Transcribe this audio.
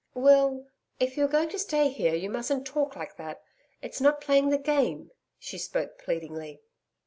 'Will if you are going to stay here you mustn't talk like that. It's not playing the game.' She spoke pleadingly.